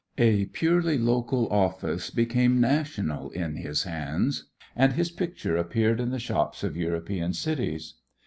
A purely local office became national in his hands, and his picture appeared in the shops of European cities.